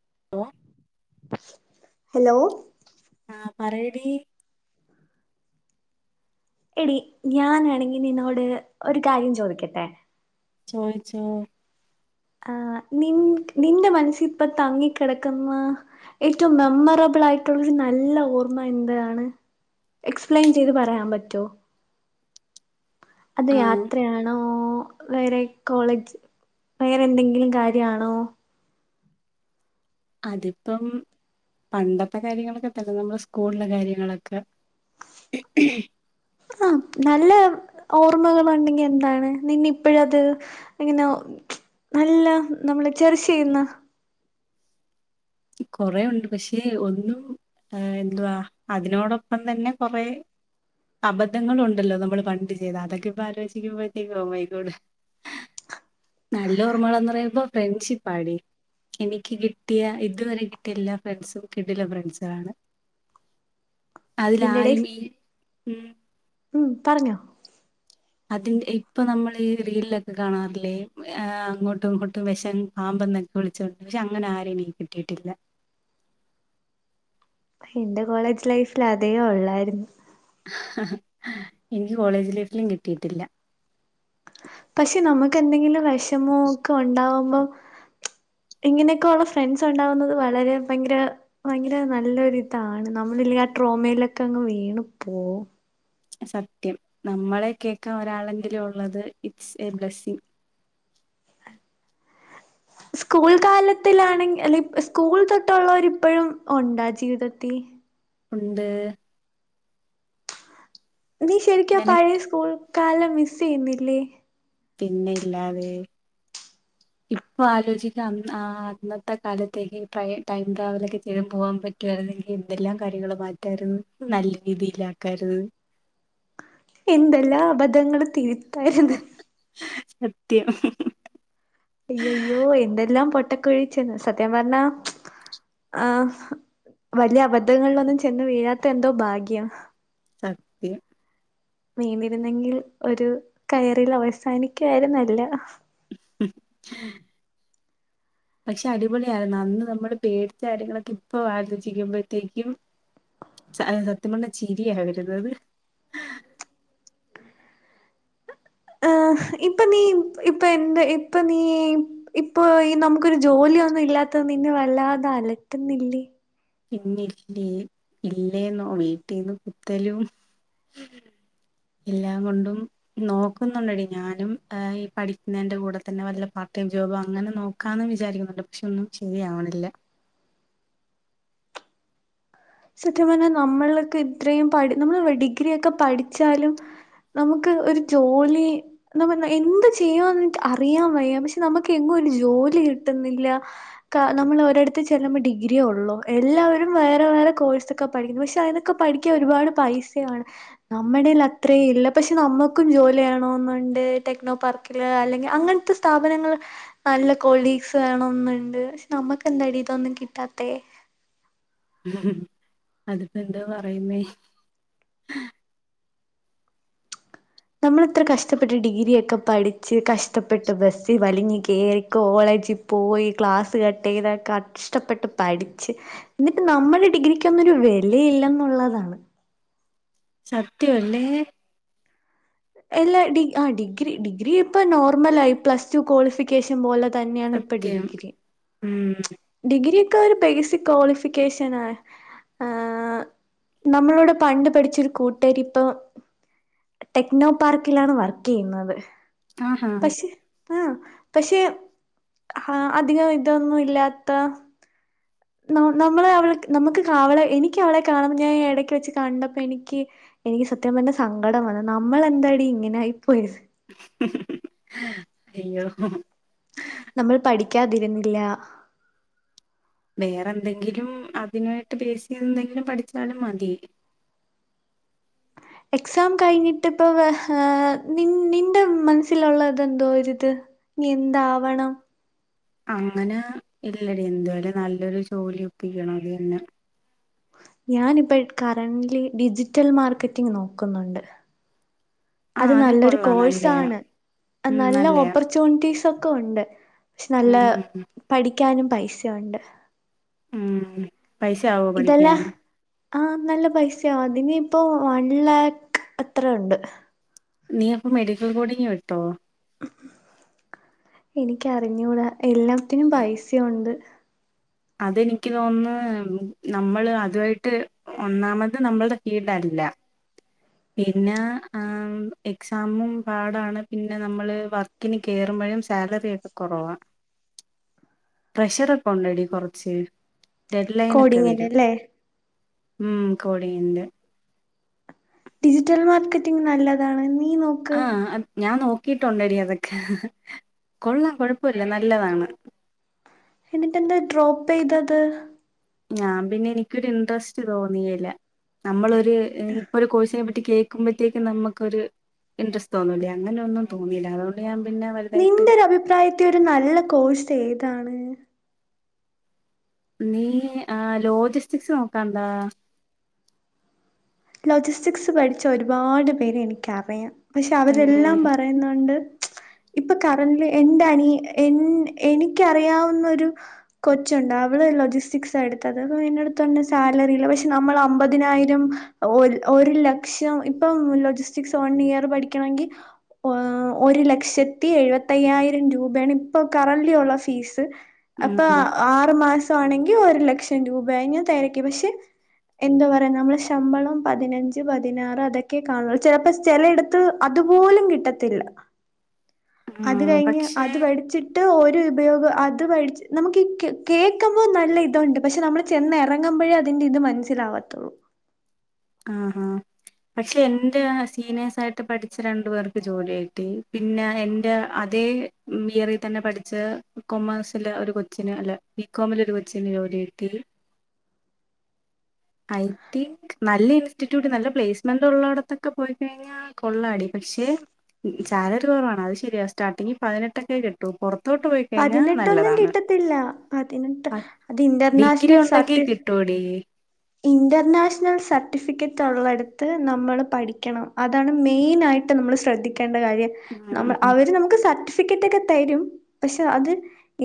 [inaudible] Hello ആഹ് പറയടീ എടി ഞാനാണെങ്കി നിന്നോട് ഒരു കാര്യം ചോദിക്കട്ടെ. ചോയ്ച്ചോ ആഹ് നിൻ നിന്റെ മനസ്സി ഇപ്പ തങ്ങി കെടക്ക്ന്ന ഏറ്റവും മെമ്മറബിൾ ആയിട്ടുള്ളരു നല്ല ഓർമ്മ എന്താണ്. എക്സ്പ്ലെയിൻ ചെയ്ത് പറയാൻ പറ്റൊ. അത് ആഹ് യാത്രയാണോ. വേറെ കോളേജ് വേറെ എന്തെങ്കിലും കാര്യ ആണോ അതിപ്പം പണ്ടത്തെ കാര്യങ്ങളൊക്കെ തന്ന നമ്മള് സ്കൂളിലെ കാര്യങ്ങളൊക്കെ. [inaudible] ആ നല്ല ഓർമ്മകളുണ്ടെങ്കി എന്താണ് നിന്നി ഇപ്പഴത്. ഇങ്ങനെ നല്ല നമ്മള് ചെർച്ച് ചെയ്യുന്ന കൊറേ ഉണ്ട് പക്ഷെ ഒന്നും എന്തുവാ അതിനോടൊപ്പം തന്നെ കൊറെ അബദ്ധങ്ങള ഉണ്ടല്ലോ. നമ്മള് പണ്ട് ചെയ്ത അതൊക്കെ ഇപ്പ ആലോചിക്കുമ്പോഴത്തേക്ക് [unintelligible] ക്കോട് അ നല്ല ഓർമ്മേളേന്ന് പറയുമ്പ ഫ്രണ്ട്ഷിപ്പാടി എനിക്ക് കിട്ടിയ ഇതുവരെ കിട്ടിയ എല്ലാ ഫ്രണ്ട്സും കിടില ഫ്രണ്ട്സു ആണ്. അതില ഇതിന്റെ ഇടയിൽ ആരുമീ ഉം ഉം പറഞ്ഞോ അതിന്റെ ഇപ്പൊ നമ്മൾഈ റീൽ ലൊക്കെ കാണാറില്ലേ. അങ്ങോട്ടും ഇങ്ങോട്ടും വെശം പാമ്പ് എന്നൊക്കെ. വിളിച്ചൊണ്ട് പക്ഷെ അങ്ങനെ ആരെയും കിട്ടിയിട്ടില്ല എൻ്റെ കോളേജ് ലൈഫിൽ അതേം ഉള്ളായിരുന്നു എനിക്ക് കോളേജ് ലൈഫിലും കിട്ടിയിട്ടില്ല പക്ഷെ നമുക്ക് എന്തെങ്കിലും വിഷമോ ഒക്കെ ഉണ്ടാവുമ്പോം ഇങ്ങനെയൊക്കെയ ഉള്ള ഫ്രണ്ട്സ് ഉണ്ടാവുന്നത് വളരെ ഭയങ്കര ഭയങ്കര നല്ലൊരു ഇതാണ് നമ്മളല്ലെ ആ ട്രോമയിലൊക്കെ അങ്ങ് വീണു പോ സത്യം നമ്മളെ കേൾക്കാൻ ഒരാളെങ്കിലും ഉള്ളത് ഇറ്റ്സ് എ ബ്ലസ്സിംഗ സ്കൂൾ കാലത്തിലാണെങ്ക അല്ലെങ്ക സ്കൂൾ തൊട്ടുള്ളവരിപ്പോഴും ഉണ്ടാ ജീവിതത്തിൽ ഉണ്ട് നീ ശരിക്കും ആ നിനക്ക് പഴയ സ്കൂൾ കാലം മിസ് ചെയ്യുന്നില്ലേ പിന്നെ ഇല്ലാതെ [unintelligible] ഇപ്പൊ ആലോചിക്ക അന്നത്തെ കാലത്തേക്ക് ടൈം ട്രാവലൊക്കെ ചെയ്ൻ പോകാൻ പറ്റി ഏ എന്തെല്ലാം കാര്യങ്ങള് മാറ്റാരുന്ന് നല്ല രീതിൽ ആക്കരുന്ന് എന്തെല്ലാം അബദ്ധങ്ങൾ തീരുത്താര്ന്ന് സത്യം അയ്യയ്യോ എന്തെല്ലാം പൊട്ടക്കുഴീച്ചെന്ന് സത്യം പറഞ്ഞാ ആഹ് വലിയ അബദ്ധങ്ങളിലൊന്നും ചെന്ന് വീഴാത്ത എന്തോ ഭാഗ്യം സത്യം വീണിരുന്നെങ്കിൽ ഒരു കയറിൽ അവസാനിക്കുകായിരുന്നല്ല [unintelligible] പക്ഷെ അടിപൊളി ആയിരുന്നു അന്ന് നമ്മള് പേടിച്ച കാര്യങ്ങളൊക്കെ ഇപ്പ ആലോചിക്കുമ്പഴ്ത്തേക്കും സത്യം പറഞ്ഞാ ചിരിയാ വരുന്നത് ആഹ് ഇപ്പൊ നീ ഇപ്പൊ എന്ത് ഇപ്പൊ നീ ഇപ്പൊ ഈ നമുക്കൊരു ജോലിയൊന്നും ഇല്ലാത്തത് നിന്നെ വല്ലാതെ അലട്ടുന്നില്ലേ പിന്നെ ഇല്ലേ ഇല്ലേെന്നോ വീട്ടിന്ന് കുത്തലും [unintelligible] എല്ലാം കൊണ്ടും നോക്കുന്നുണ്ടടി ഞാനും ഈ പഠിക്കുന്നതിന്റെ കൂടെ തന്നെ വല്ല പാർട്ട് ടൈം ജോബ് അങ്ങനെ നോക്ക് നോക്കാന്നും വിചാരിക്കുന്നുണ്ട് പക്ഷെ ഒന്നും ശരിയാവണില്ല സത്യം പറഞ്ഞാൽ നമ്മളൊക്കെ ഇത്രയും പ നമ്മള് ഡിഗ്രിൊക്കെ പഠിച്ചാലും നമുക്ക് ഒരു ജോലി അതാ പറഞ്ഞെ എന്ത് ചെയ്യാന്ന്ട്ട അറിയാൻ വയാ പക്ഷെ നമുക്ക് എങ്ങും ഒരു ജോലി കിട്ടുന്നില്ല നമ്മള് ഒരിടത്ത് ചെല്ലുമ്പോൾ ഡിഗ്രിയേ ഒള്ളൂ എല്ലാവരും വേറെ വേറെ കോഴ്സൊക്കെ പഠിക്കുന്നു പക്ഷെ അതിനൊക്കെ പഠിക്കാൻ ഒരുപാട് പൈസയാണ് നമ്മടേൽ അത്രയും ഇല്ല പക്ഷെ നമ്മക്കും ജോലിയാണോന്നുണ്ട് ടെക്നോ പാർക്ക് പാർക്കില് അല്ലെങ്കിൽ അങ്ങനത്തെ സ്ഥാപനങ്ങൾ നല്ല കൊളീഗ്സ് വേണംന്നുണ്ട് പക്ഷെ നമുക്ക് എന്താടി ഇതൊന്നും കിട്ടാത്തെ അതിപ്പോ എന്താ പറയുന്നേ നമ്മൾ ഇത്ര കഷ്ടപ്പെട്ട് ഡിഗ്രിയൊക്കെ പഠിച്ച് കഷ്ടപ്പെട്ട് ബസ്സി വലിഞ് കേറി കോളേജി പോയി ക്ലാസ് കട്ട് ചെയ്ത കഷ്ടപ്പെട്ട് പഠിച്ച് എന്നിട്ട് നമ്മുടെ ഡിഗ്രക്കൊന്നുരു വെലയില്ലെന്നുള്ളതാണ് സത്യം അല്ലേ എല്ലാ ഡി ആഹ് ഡിഗ്രി ഡിഗ്രി ഇപ്പൊ നോർമലായി പ്ലസ് ടു ക്വാളിഫി കഷൻ പോലെ തന്നെയാണ് ഇപ്പ സത്യം ഡിഗ്രി ഉം ഡിഗ്രിയക്കെ ഒരു ബേസിക് ക്വാളിഫിക്കേഷനാ ആഹ് നമ്മളോട് പണ്ട് പഠിച്ചൊരു കൂട്ടുകാരി ഇപ്പൊ ടെക്നോ പാർക്കിലാണ് വർക്ക് ചെയ്യുന്നത് ആഹാ പക്ഷെ ആഹ് പക്ഷെ ആ അധികം ഇതൊന്നും ഇല്ല ത്ത നമ്മളെ അവൾ നമുക്ക് അവളെ എനിക്ക് അവളെ കാണുമ്പോൾ ഞാൻ എടക്ക് വെച്ച് കണ്ടപ്പ എനിക്ക് എനിക്ക് സത്യം പറഞ്ഞ സങ്കടം വന്ന് നമ്മൾ എന്താടി ഇങ്ങനെ ആയി പോയത് അയ്യോ നമ്മൾ പഠിക്കാതിരുന്നില്ല വേറെ എന്തെങ്കിലും അതിനായിട്ട് ബേസിക് എന്തെങ്കിലും പഠിച്ചാലും മതി എക്സാം കഴിഞ്ഞിട്ട് ഇപ്പൊ നി നിന്റെ മനസ്സിലുള്ളതെന്തോ ഒരിത് നി എന്താവണം അങ്ങന ഇല്ലടി എന്തുവായാലും നല്ലൊരു ജോലി ഒപ്പിക്കണം അത് തന്ന ഞാനിപ്പ കറന്റ്ലി ഡിജിറ്റൽ മാർക്കറ്റിംഗ് നോക്കുന്നുണ്ട് ആ അത് നല്ലൊരു കൊള്ളാം നല്ലയാ കോഴ്സാണ് അഹ് ഉം നല്ല നല്ലയാ ഓപ്പർ ച്ചൂണിറ്റീസൊക്കെ ഒക്കെ ഒണ്ട് പക്ഷെ നല്ല ഉം പഠിക്കാനും പൈസുണ്ട് ഉം പൈസാവും ഇതെല്ലാ ആഹ് നല്ല പൈസയാവും അതിനിപ്പോ വൺ ലാക്ക് അത്രണ്ട് നീ അപ്പ മെഡിക്കൽ കോഡിങ്ങ് വിട്ടോ എനിക്കറിഞ്ഞൂടാ എല്ലാത്തിനും പൈസയുണ്ട് അതെനിക്ക് തോന്ന്ന്ന് നമ്മള് അതുവായിട്ട് ഒന്നാമത് നമ്മൾടെ ഫീൽടല്ല പിന്നെ ആഹ് എക്സാമും പാടാണ് പിന്നെ നമ്മള് വർ ക്കിന് കേറുമ്പഴും സാലറി ഒക്കെ കൊറവാ പ്രഷറൊക്കെ ഒണ്ടെടി കൊറച്ച് ഡെഡ് ലൈനൊക്കെ വെരും കോഡിങ്ങിനല്ലേ ഉം കോഡിങ്ങിന്റെ ഡിജിറ്റൽ മാർക്കറ്റിംഗ് നല്ലതാണ് നീ നോ ആഹ് ഞാൻ നോക്കിട്ടുണ്ടെടി അതൊക്കെ കൊള്ളാം കൊഴപ്പല്ല നല്ലതാണ് എന്നിട്ടെന്താ ഡ്രോപ്പെയ്തത് ഞാൻ പിന്നെ എനിക്കൊര് ഇൻട്രസ്റ്റ് തോന്നിയില്ല നമ്മളൊര് ഇപ്പൊരു കോഴ്സ്നെ പറ്റി കേക്കുമ്പഴത്തേക്കും നമുക്കൊരു ഇൻട്രസ്റ്റ് തോന്നൂലെ അങ്ങനൊന്നും തോന്നീല അതോണ്ട് ഞാൻ പിന്നെ വലുതായിട്ട് നിന്റെ ഒരഭിപ്രായത്തി ഒരു നല്ല കോഴ്സ് ഏതാണ് നീ ആഹ് ലോജിസ്റ്റിക്സ് നോക്കാണ്ടാ ലോജിസ്റ്റിക്സ് പഠ്ച്ച ഒരുപാട് പേരെ എനിക്കറിയാം പക്ഷെ തന്നെ അവരെല്ലാം പറ പറയുന്നുണ്ട് ഇപ്പൊ കറൻല് എന്റെ അനി എൻ എനിക്കറിയാവുന്നൊരു കൊച്ചുണ്ട് അവള് ലൊജിസ്റ്റിക്സ് എട്ത്തത് അപ്പം എന്റെട്ത്ത്ർഞ്ഞു സാലറിയില്ല പക്ഷെ നമ്മള് അമ്പതിനായിരം ഒര് ഒരു ലക്ഷം ഇപ്പം ലൊജിസ്റ്റിക്സ് വൺ ഇയർ പഠിക്കണെങ്കി ഒരു ലക്ഷത്തി എഴുപത്തയ്യായിരം രൂപയാണ് ഇപ്പൊ കറൻലി ഒള്ള ഫീസ് അപ്പൊ ഉം ആറ് മാസാ ണെങ്കി ഒരു ലക്ഷം രൂപയാ ഞാൻ തെരക്കി പക്ഷെ എന്താ പറയാ നമ്മളെ ശമ്പളം പതിനഞ്ച് പതിനാറ് അതൊക്കെ കാണൂ ചെലപ്പോ ചെലയിടത്ത് അതുപോലും കിട്ടത്തില്ല. ആ അത് കഴിഞ്ഞ് പക്ഷേ അത് പഠ്ച്ച് ട്ട് ഒരു ഉപയോഗം അത് പഴിച്ച് നമുക്ക് കേക്കുമ്പോ നല്ല ഇതുണ്ട്. പക്ഷെ നമ്മള് ചെന്നെറങ്ങുമ്പഴേ അതിന്റെ ഇത് മനസ്സിലാവത്തൊള്ളൂ ആഹ് ആഹ് പക്ഷെ എന്റെ സീനിയേഴ്സായിട്ട് പഠിച്ച രണ്ടു പേർക്ക് ജോലി കിട്ടി. പിന്നെ എന്റെ അതേ ബിയെറി തന്നെ പഠിച്ച് കൊമേഴ്സില് ഒരു കൊച്ചിന്. അല്ല ബികോമില് ഒരു കൊച്ചിന് ജോലി കിട്ടി. ഐ ത്തിക്ക് നല്ല ഇൻസ്റ്റിറ്റ്യൂട്ട് നല്ല പ്ലേസ്മെന്റ് ഒള്ളോട്ത്തൊക്കെ പോയിക്കഴിഞ്ഞാ കൊള്ളാടി. പക്ഷെ സാലറി കൊറവാണ് അത് ശെരിയാ സ്റ്റാർട്ടിങ് പതിനെട്ടെക്കെ കി ട്ടൂ പൊറത്തോട്ട് പോയി കഴിഞ്ഞാ പതിനെട്ടൊന്നും നല്ലതാണ്. കിട്ടത്തില്ല പതിനെട്ട് അത് ഡിഗ്രി ഇന്റർനാഷണൽ ഒണ്ടെങ്കി സർട്ടിഫ കിട്ടും. തെ ഇന്റർനാഷണൽ സർട്ടിഫിക്കറ്റ് ഒള്ളടത്ത് നമ്മൾ പഠിക്കണം. അതാണ് മെയിനായിട്ട് നമ്മള് ശ്രെദ്ധിക്കേണ്ട കാര്യം നമ ഉം അവര് നമുക്ക് സർട്ടി ഫിക്കറ്റൊക്കെ തരും. പക്ഷെ അത്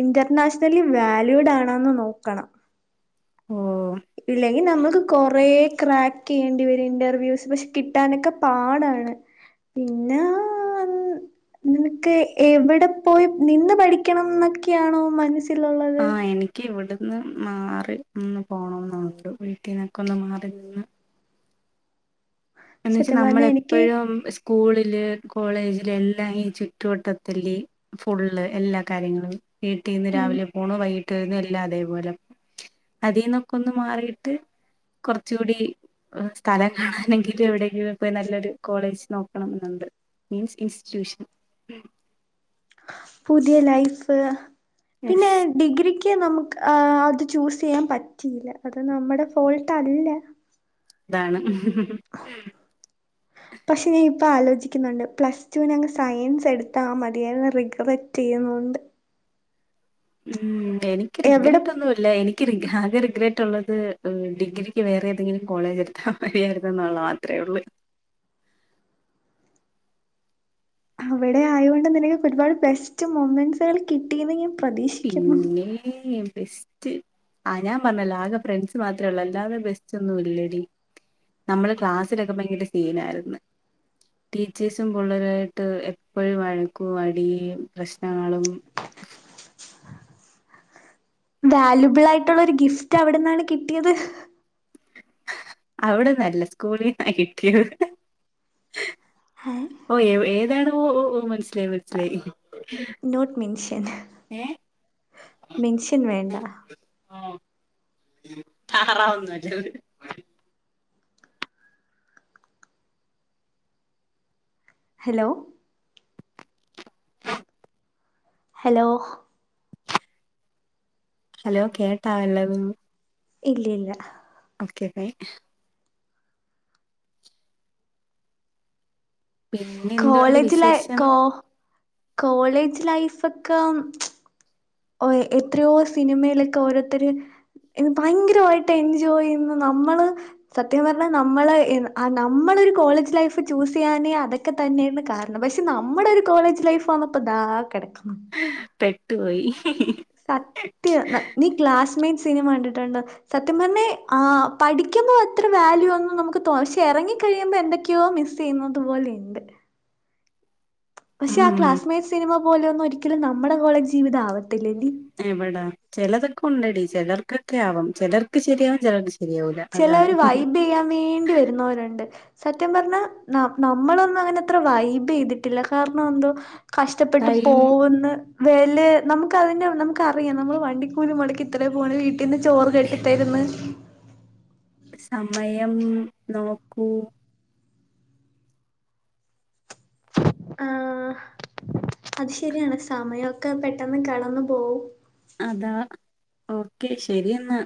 ഇന്റർനാഷണലി വാല്യൂഡ് ആണോന്ന് നോക്കണം. ഓഹ് ഇല്ലെങ്കി നമ്മുക്ക് കൊറേ ക്രാക്കെയ്യേണ്ടി വെരും. ഇന്റർവ്യൂസ് പക്ഷെ കിട്ടാനൊക്കെ പാടാണ്. പിന്നാ നിനക്ക് എവിടെ പോയി നിന്ന് പഠിക്കണം എന്നൊക്കെയാണോ മനസ് ആഹ് എനി ക്കി ഇവ്ട്ന്ന് മാറി നിന്ന് പോണംന്നുണ്ട്. വീട്ടിന്നൊക്കെ ഒന്ന് മാറി നിന്ന്. എന്ന് വെച്ചാ സത്യം പറഞ്ഞ എനിക്ക് നമ്മളെപ്പഴും സ്കൂളില് കോളേജില് എല്ലാം ഈ ചുറ്റുവട്ടത്തല്ല്. ഫുള്ള് എല്ലാ കാര്യങ്ങളും വീട്ടിന്ന് ഉം രാവിലെ പോണ വൈകിട്ട്ന്ന് എല്ലാം അതേപോലെ. അതീന്നൊക്കെ ഒന്ന് മാറിട്ട് കൊറച്ചൂടി സ്ഥലം കാണാനെങ്കി മറ്റ് എവിടെങ്കിലും പോയി നല്ലൊരു കോളേജ് നോക്കണം ഇന്ന്ണ്ട്. മീൻസ് ഇൻസ്റ്റിറ്റ്യൂഷൻ പുതിയ ലൈഫ് പിന്നെ അസ് ഡിഗ്രിക്ക് നമുക്ക് ആ അത് ചൂസ് ചെയ്യാൻ പറ്റില്ല. അത് നമ്മുടെ ഫോൾട്ടല്ല. എന്താണ് പക്ഷെ ഞാൻ ഇപ്പ ആലോചിക്കുന്നുണ്ട്. പ്ലസ് ടുവിനങ്ങ് സയൻസ് എടുത്താ മതിയായിര്ന്നു. റിഗവറ്റ് ചെയ്യുന്നുണ്ട്. ഉം എനിക്ക് എവിടെ റിഗ്രറ്റട്ടൊന്നുല്ല എനിക് ആകെ റിഗ്രേറ്റ് ഉള്ളത് ഡിഗ്രിക്ക് വേറെ ഏതെങ്കിലും കോളേജ് എടുത്താ മതിയായിരുന്നു ഇന്നുള്ളത് മാത്രെ ഉള്ളൂ. അവിടെ ആയോണ്ട് നിനക്ക് ഒരുപാട് ബെസ്റ്റ് മൂമെന്റസുകൾ കിട്ടീന്ന് ഞാൻ പ്രതീക്ഷിക്കുന്നു. [unintelligible] ഇൽ ബെസ്റ്റ് ആഹ് ഞാൻ പറഞ്ഞല്ലോ. ആകെ ഫ്രണ്ട്സ് മാത്രേ ഒള്ളൂ. അല്ലതൊ ബെസ്റ്റി ഒന്നും ഇല്ലടി നമ്മള് ക്ലാസ്സിലൊക്കെ ഭയക്കര സീനായിര്ന്നു. ടീച്ചേഴ്സും പിള്ളേരായിട്ട് എപ്പഴും വഴക്കും അടി പ്രശ്നങ്ങളും വാല്യുബിൾ ആയിട്ടുള്ള ഒരു ഗിഫ്റ്റ് അവിട്ന്നാണ് കിട്ടിയത് അവിടെന്നല്ല സ്കൂളിന്ന് കിട്ടിയത് ഏഹ് ഓ ഏതാണോ ഓഹ് ഓഹ് മൻസ്സിലായി മൻസ്സിലായി നോട്ട് മെൻഷൻ മെൻഷൻ വേണ്ട ഓ താറവൊന്നുല്ല അത് ഹലോ ഹെലോ ഹലോ കേട്ടാ വല്ലതും ഇല്ലില്ല ഓക്കെ ബൈ പിന്നെ എന്തുണ്ട് കോളേജ്ലെ വിശേഷം കോ കോളേജ് ലൈഫ് ഒക്കെ ഓ എത്രയോ സിനിമയിലൊക്കെ ഓരോരുത്തര് എൻ ഭയങ്കരമായിട്ട് എൻജോയ് ചെയ്യുന്ന് നമ്മള് സത്യം പറഞ്ഞാൽ നമ്മള് എ അ നമ്മളൊരു കോളേജ് ലൈഫ് ചൂസ് ചെയ്യാനേ അതൊ ക്കെ തന്നെയാണ് കാരണം പക്ഷെ നമ്മുടെ ഒരു കോളേജ് ലൈഫ് വന്നപ്പോ ഇതാ കിടക്കുന്നു പെട്ടുപോയി സത്യം നീ ക്ലാസ്മേറ്റ് സിനിമ കണ്ടിട്ടുണ്ടോ സത്യം പറഞ്ഞെ ആ പഠിക്കുമ്പോ അത്ര വാല്യുന്ന് നമുക്ക് തോ പക്ഷെ ഇറങ്ങി കഴിയുമ്പോ എന്തൊക്കെയോ മിസ് ത്ത്ചെയ്യുന്നത് പോലെയിണ്ട് പക്ഷെ ആ ഉം ക്ലാസ്മേറ്റ് സിനിമ പോലെയൊന്നും ഒരിക്കലും നമ്മുടെ കോളേജ് ജീവിതം ആവത്തില്ലേനി എവിടെ ചിലതൊക്കെ ഉണ്ടടി ചിലർക്കൊക്കെ ആവാം ചിലർക്ക് ശരിയാവാം ചിലർക്ക് ശരിയാവൂല അതാണ് ചിലോര് വൈബ് ചെയ്യാൻ വേണ്ടി വരുന്നവരുണ്ട് സത്യം പറഞ്ഞ ന നമ്മളൊന്നും അങ്ങനെ അത്ര വൈബ് ചെയ്തിട്ടില്ല കാരണം എന്തോ കഷ്ടപ്പെട്ട് ടൈം പോവുന്ന് വേലെ നമുക്ക് അതിന്റെ നമുക്ക് അറിയാം നമ്മള് വണ്ടിക്കൂലി മുടക്കി ഇത്രേ പോണ് വീട്ടീന്ന് ചോറ് കെട്ടി തരുന്ന് സമയം നോക്കൂ ആഹ് അത് ശരിയാണ് സമയമൊക്കെ പെട്ടെന്ന് കടന്നു പോവും അതാ ഓക്കെ ശരി എന്നാ